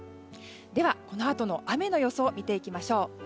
では、このあとの雨の予想見ていきましょう。